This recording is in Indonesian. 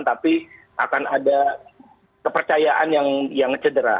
tapi akan ada kepercayaan yang cedera